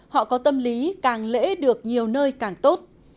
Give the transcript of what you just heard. họ có tâm lý càng lễ được nhiều nơi càng tốt